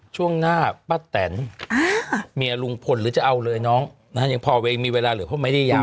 ช่วงหน้าป้าแตนเมียลุงพลหรือจะเอาเลยน้องนะฮะยังพอเวย์มีเวลาเหลือเขาไม่ได้ยาว